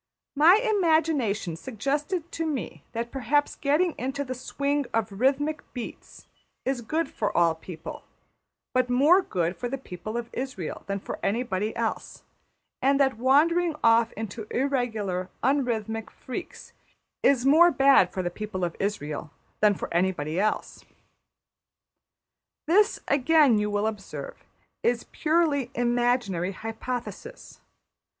My imagination suggested to me that perhaps getting into the swing of rhythmic beats is good for all people, but more good for the people of Israël than for anybody else; and that wandering off into irregular un rhythmic freaks is more bad for the people of Israël than for anybody else. This, again, you will observe, is purely imaginary hypothesis.